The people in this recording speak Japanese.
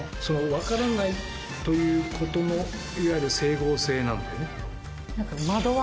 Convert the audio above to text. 分からないということのいわゆる整合性なんだよね。